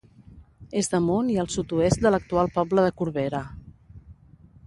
És damunt i al sud-oest de l'actual poble de Corbera.